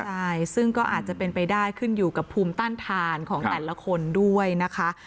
ใช่ซึ่งก็อาจจะเป็นไปได้ขึ้นอยู่กับภูมิต้านทานของแต่ละคนด้วยนะคะ